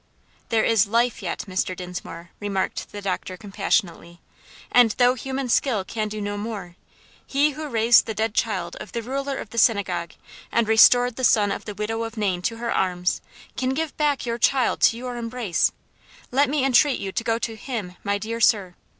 "There is life yet, Mr. Dinsmore," remarked the doctor compassionately; "and though human skill can do no more, he who raised the dead child of the ruler of the synagogue, and restored the son of the widow of Nain to her arms, can give back your child to your embrace; let me entreat you to go to him, my dear sir.